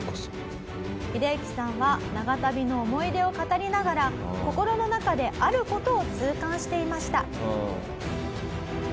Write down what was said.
ヒデユキさんは長旅の思い出を語りながら心の中である事を痛感していました。